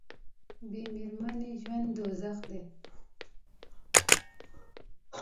بې میرمنې ژوند دوزخ دی